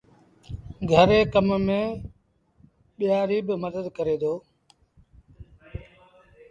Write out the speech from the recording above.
گھر ري ڪم ميݩ ٻيٚآݩ ريٚ مدت ڪري دو